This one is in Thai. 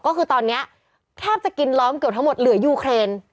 ก็คือตอนนี้แทบจะกินล้อมเกือบทั้งหมดเหลือยูเครน